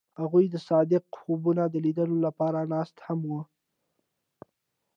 هغوی د صادق خوبونو د لیدلو لپاره ناست هم وو.